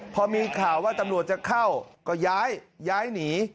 พอมีข่าวว่าตำรวจจะเข้าก็ย้ายหนี